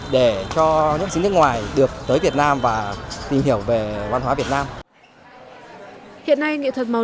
để cho những sinh viên và các bạn yêu nghệ thuật